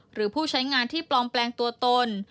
หรือผู้ใช้งานที่ปลอมแปลงตัวตน